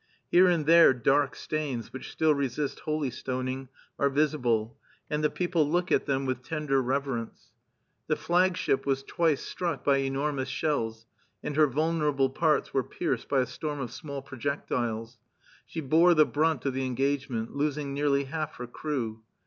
Here and there dark stains, which still resist holy stoning, are visible; and the people look at them with tender reverence. The flagship was twice struck by enormous shells, and her vulnerable parts were pierced by a storm of small projectiles. She bore the brunt of the engagement, losing nearly half her crew.